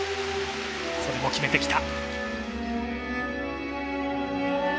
これも決めてきた！